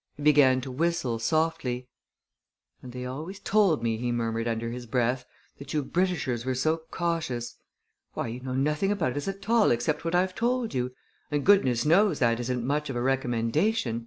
He began to whistle softly. "And they always told me," he murmured under his breath, "that you Britishers were so cautious! Why, you know nothing about us at all except what I've told you, and goodness knows that isn't much of a recommendation!